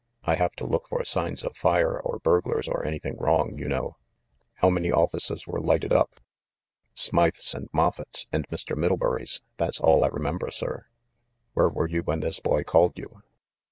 I have to look for signs of fires or burglars or anything wrong, you know." "How many offices were lighted up?" "Smythe's and Moffett's and Mr. Middlebury's ; that's all I remember, sir." "Where were you when this boy called you?"